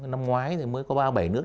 năm ngoái mới có ba mươi bảy nước